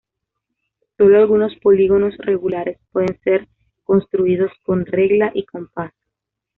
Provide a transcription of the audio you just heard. Solo algunos polígonos regulares pueden ser construidos con regla y compás.